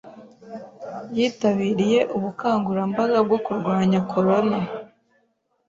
yitabiriye ubukangurambaga bwo kurwanya corona